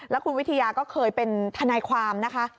แล้วคุณวิทยาก็เคยเป็นทนายความนะคะ